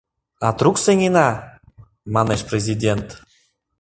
«А трук сеҥена?» — манеш президент.